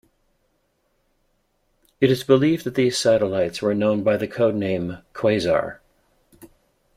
It is believed that these satellites were known by the code name "Quasar".